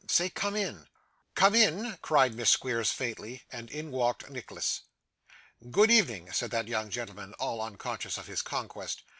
Say, come in.' 'Come in,' cried Miss Squeers faintly. And in walked Nicholas. 'Good evening,' said that young gentleman, all unconscious of his conquest.